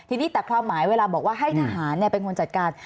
ทีนี้แต่ความหมายเวลาบอกว่าให้ทหารเป็นคนจัดการ